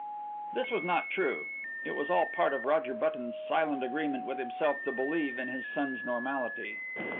This was not true it was all part of Roger Button's silent agreement with himself to believe in his son's normality.